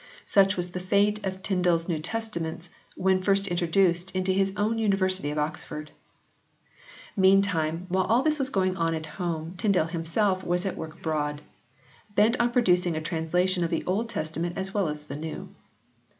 Such was the fate of Tyndale s New Testaments when first introduced into his own University of Oxford. Meantime, while all this was going on at home, Tyndale himself was at work abroad, bent on pro ducing a translation of the Old Testament as well as the New.